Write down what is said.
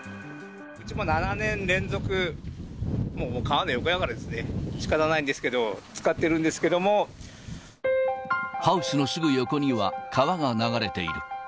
うちも７年連続、もう川の横だからしかたないんですけど、ハウスのすぐ横には川が流れている。